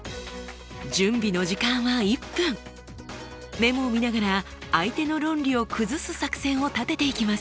メモを見ながら相手の論理を崩す作戦を立てていきます。